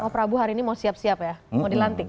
prabu hari ini mau siap siap ya mau dilantik